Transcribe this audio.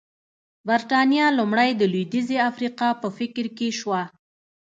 برېټانیا لومړی د لوېدیځې افریقا په فکر کې شوه.